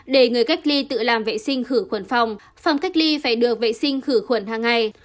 để người cách ly tự làm vệ sinh khử khuẩn phòng phòng cách ly phải được vệ sinh khử khuẩn hàng ngày